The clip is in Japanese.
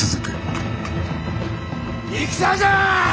戦じゃ！